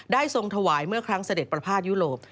ทรงถวายเมื่อครั้งเสด็จประพาทยุโรป